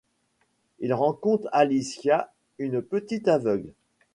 Il rencontre Alicia une petite aveugle.